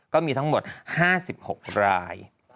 ก็มีทั้งหมด๕๖ราย